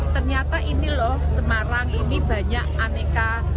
ternyata ini loh semarang ini banyak aneka